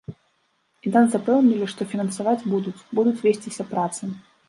І нас запэўнілі, што фінансаваць будуць, будуць весціся працы.